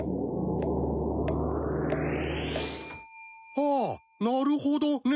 あっなるほどね。